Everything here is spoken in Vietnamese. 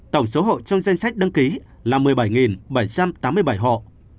tổng số hộ trong danh sách đăng ký là một mươi bảy bảy trăm tám mươi bảy hộ